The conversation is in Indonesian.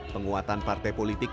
penguatan partai politik